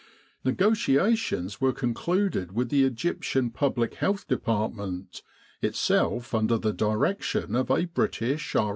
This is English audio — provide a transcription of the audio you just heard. Negotiations were concluded with the Egyptian Public Health Depart ment itself under the direction of a British R.